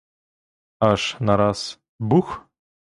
Аж нараз — бух!